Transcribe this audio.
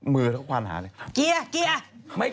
มือเขาควานหาอยู่